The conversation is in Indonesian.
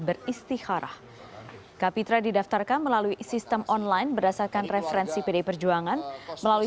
beristihara kapitra didaftarkan melalui sistem online berdasarkan referensi pdi perjuangan melalui